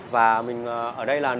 và mình ở đây là